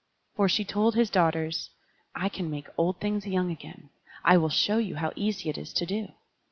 For she told his daughters: "I can make old things young again; I will show you how easy it is to do."